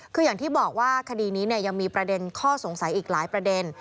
คืออย่างที่บอกว่าคดีนี้ยังมีประเด็นข้อสงสัยอีกหลายประเด็น